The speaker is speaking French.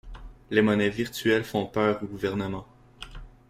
Les monnaies virtuelles font peur aux gouvernements.